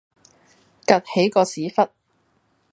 趷起個屎忽